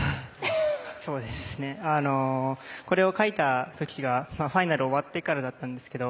これを書いた時がファイナル終わってからだったんですけど